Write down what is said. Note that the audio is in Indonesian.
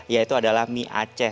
yaitu adalah mie aceh